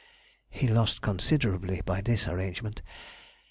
(He lost considerably by this arrangement.)